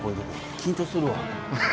緊張するわ。